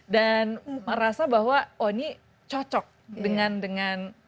dan merasa bahwa oh ini cocok dengan dengan